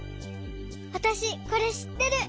わたしこれしってる。